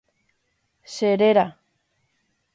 Cheréra.